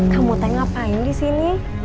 kamu dang ngapain di sini